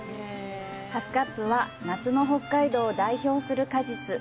ハスカップは夏の北海道を代表する果実。